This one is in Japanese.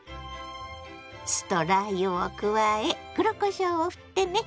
酢とラー油を加え黒こしょうをふってね！